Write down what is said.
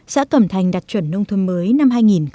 xã cẩm thành đạt chuẩn nông thôn mới năm hai nghìn một mươi năm